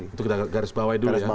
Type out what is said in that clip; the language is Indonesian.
itu kita garis bawahi dulu ya